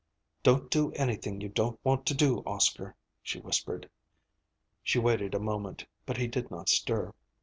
"Don't do anything you don't want to do, Oscar," she whispered. She waited a moment, but he did not stir.